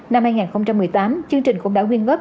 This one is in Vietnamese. năm hai nghìn một mươi tám chương trình cũng đã quyên góp